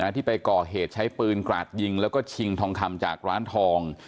ที่ไปก่อเหตุใช้ปืนกราดยิงแล้วก็ชิงทองคำจากร้านทอง